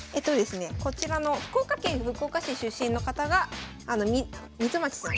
こちらの福岡県福岡市出身の方が水町さん。